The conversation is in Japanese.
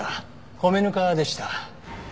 米ぬかでした。